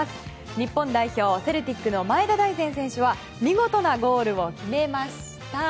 日本代表、セルティックの前田大然選手は見事なゴールを決めました。